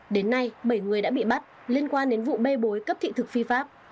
đến nay bảy người đã bị bắt liên quan đến vụ bê bối cấp thị thực phi pháp